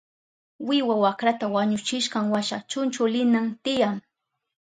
Wiwa wakrata wañuchishkanwasha chunchulinan tiyan.